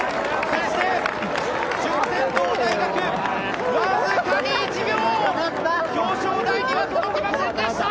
そして、順天堂大学わずかに１秒表彰台には届きませんでした！